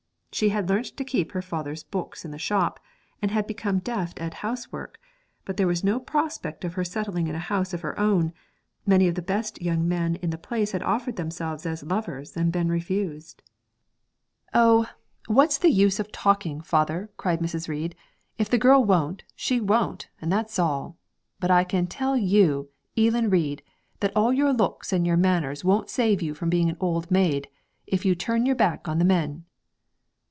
She had learnt to keep her father's books in the shop, and had become deft at housework; but there was no prospect of her settling in a house of her own; many of the best young men in the place had offered themselves as lovers and been refused. 'Oh! what's the use o' talking, father,' cried Mrs. Reid; 'if the girl won't, she won't, and that's all. But I can tell you, Eelan Reid, that all your looks and your manners won't save you from being an old maid, if you turn your back on the men.'